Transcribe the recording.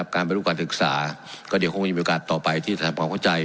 การเป็นรูปการศึกษาก็เดี๋ยวคงจะมีโอกาสต่อไปที่จะทำความเข้าใจ